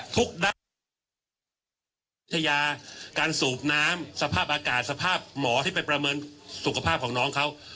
ทุกด้านวิทยาการสูบน้ำสภาพอากาศสภาพหมอที่ไปประเมินสุขภาพของน้องเขา